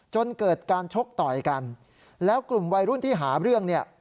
จนเกิดการชกต่อยกันแล้วกลุ่มวัยรุ่นที่หาเรื่องเนี่ย